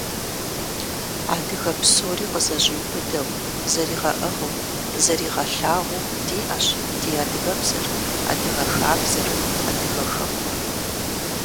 Адыгэ псори къызэщӀиубыдэу, зэригъэӀыгъыу, зэригъэлъагъуу диӀэщ ди адыгэбзэр, адыгэ хабзэр, адыгэ хэкур.